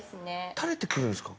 垂れてくるんですか？